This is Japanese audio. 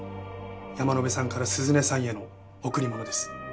山野辺さんから涼音さんへの贈り物です。